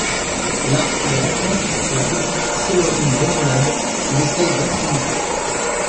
Là il rencontre la petite Célerine Rémoulade qu'il essaie d'intimider.